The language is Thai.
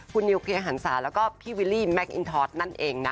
คุณนิวเคลียร์หันศาแล้วก็พี่วิลลี่แมคอินทอสนั่นเองนะ